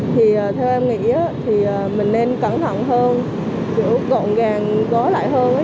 thì theo em nghĩ thì mình nên cẩn thận hơn kiểu gọn gàng gó lại hơn